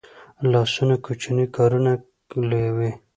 لاسونه کوچني کارونه لویوي